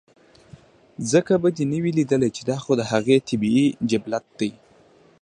ځکه به دې نۀ وي ليدلے چې دا خو د هغه طبعي جبلت دے